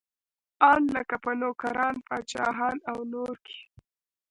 ان لکه په نوکران، پاچاهان او نور کې.